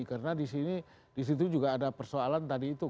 karena disini juga ada persoalan tadi itu